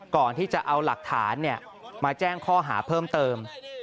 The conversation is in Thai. ก่อนที่จะเอาหลักฐานมาแจ้งข้อหาเพิ่มเติม